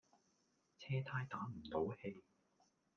車呔打唔到氣